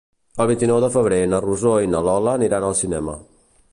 El vint-i-nou de febrer na Rosó i na Lola aniran al cinema.